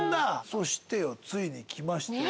そしてついに来ましたよ